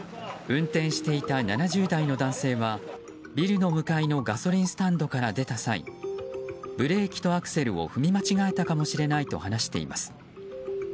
運転していた７０代の男性はビルの向かいのガソリンスタンドから出た際ブレーキとアクセルと踏み間違えたかもしれないと話しています。